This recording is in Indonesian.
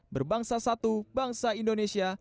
berbangsa satu bangsa indonesia